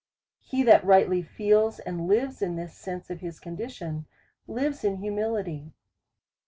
He that rightly feels and hves in this sense of his condition, lives in huniihty.